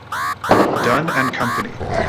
Dun and Company.